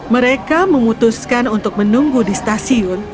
mereka memutuskan untuk menunggu di stasiun